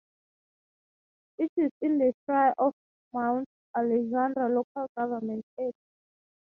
It is in the Shire of Mount Alexander local government area.